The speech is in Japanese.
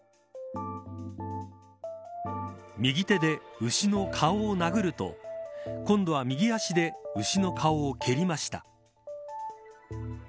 右手で牛の顔を殴ると今度は右足で牛の顔を蹴りました。